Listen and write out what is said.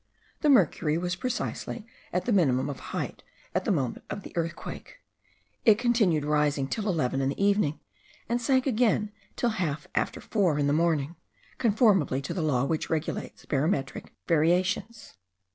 The mercury was precisely at the minimum of height at the moment of the earthquake; it continued rising till eleven in the evening, and sank again till half after four in the morning, conformably to the law which regulates barometrical variations.